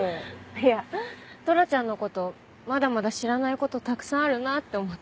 いやトラちゃんの事まだまだ知らない事たくさんあるなって思って。